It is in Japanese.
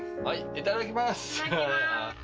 いただきます。